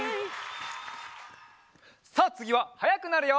さあつぎははやくなるよ！